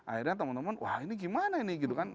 akhirnya teman teman wah ini gimana ini gitu kan